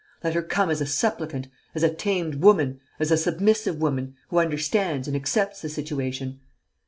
Let her come as a supplicant, as a tamed woman, as a submissive woman, who understands and accepts the situation